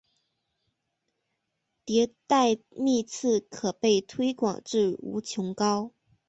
迭代幂次可被推广至无穷高。